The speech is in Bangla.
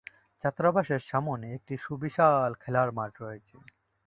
ছাত্রাবাসের সামনে একটি সুবিশাল খেলার মাঠ রয়েছে।